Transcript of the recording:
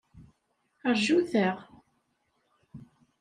Rjut-aɣ!